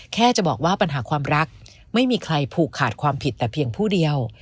แค่จะบอกว่าปัญหาความรักไม่มีใครผูกขาดความผิดแต่เพียงผู้เดียว